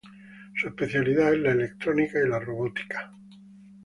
Su especialidad es la electrónica y la robótica.